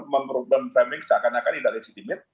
memperubah framing seakan akan tidak legitimate